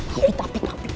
tapi tapi tapi